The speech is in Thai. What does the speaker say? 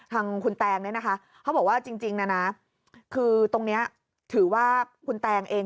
ทางคุณแตงเนี่ยนะคะเขาบอกว่าจริงนะนะคือตรงนี้ถือว่าคุณแตงเอง